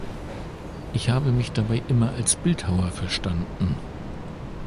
Ich habe mich dabei immer als Bildhauer verstanden.